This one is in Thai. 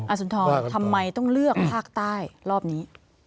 อาศัลทองธังมัยต้องเลือกภาคใต้รอบนี้